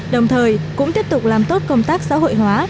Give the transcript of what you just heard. đồng thời cũng tiếp tục làm tốt công tác xã hội hóa